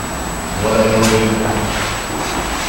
Voilà pour le vieux con.